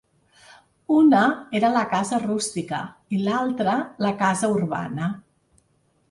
Una era la casa rústica i l'altra la casa urbana.